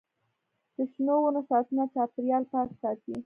د شنو ونو ساتنه چاپیریال پاک ساتي.